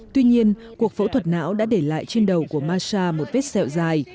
tuy nhiên cuộc phẫu thuật não đã để lại trên đầu của masa một vết sẹo dài